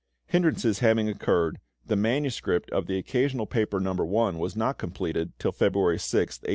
Hindrances having occurred, the MS. of the "Occasional Paper, No. I." was not completed till February 6th, 1866.